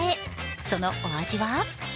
そのお味は？